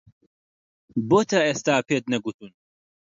بۆ تا ئێستا پێت نەگوتوون؟